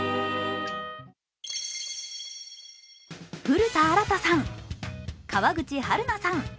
古田新太さん、川口春奈さん